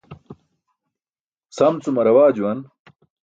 Sam cum arawaa juwan.